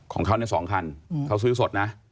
ของเขาในสองคันเขาก็ซื้อสดนะ